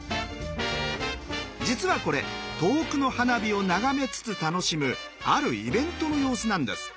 実はこれ遠くの花火を眺めつつ楽しむあるイベントの様子なんです。